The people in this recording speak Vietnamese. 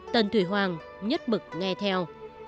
tần thủy hoàng nhất bực nghe theo